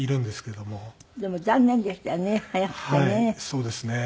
そうですね。